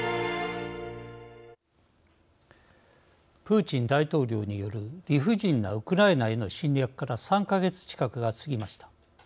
プーチン大統領による理不尽なウクライナへの侵略から３か月近くが過ぎました。